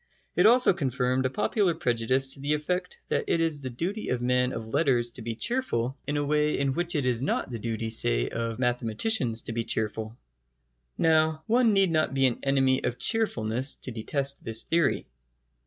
It also confirmed a popular prejudice to the effect that it is the duty of men of letters to be cheerful in a way in which it is not the duty, say, of mathematicians to be cheerful. Now, one need not be an enemy of cheerfulness to detest this theory.